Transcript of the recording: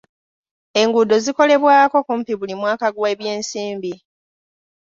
Enguudo zikolebwako kumpi buli mwaka gw'ebyensimbi.